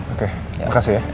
oke makasih ya